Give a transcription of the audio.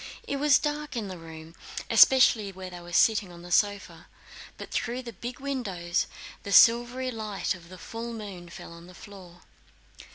It was dark in the room especially where they were sitting on the sofa, but through the big windows the silvery light of the full moon fell on the floor.